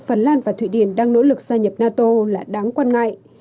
nói về việc phần lan và thụy điển đang nỗ lực gia nhập nato là đáng quan ngại